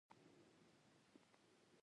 د ژبې اعتبار دقوم اعتبار دی.